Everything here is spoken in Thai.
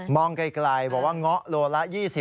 มองไกลบอกว่าเงาะโลละ๒๐บาท